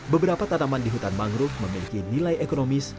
beberapa tanaman di hutan mangrove memiliki nilai ekonomis